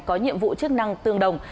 có nhiệm vụ chức năng tương đồng